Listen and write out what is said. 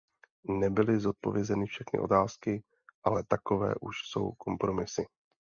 Nebyly zodpovězeny všechny otázky, ale takové už jsou kompromisy.